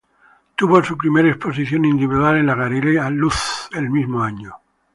Tuvo su primera exposición individual en la Galería Luz el mismo año.